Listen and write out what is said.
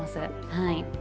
はい。